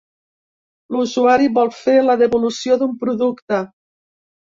L'usuari vol fer la devolució d'un producte.